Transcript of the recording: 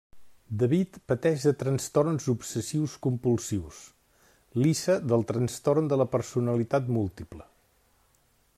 David pateix de trastorns obsessius-compulsius, Lisa del trastorn de la personalitat múltiple.